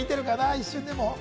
一瞬でも。